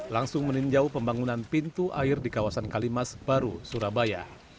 langsung meninjau pembangunan pintu air di kawasan kalimas baru surabaya